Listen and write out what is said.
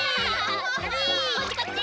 こっちこっち。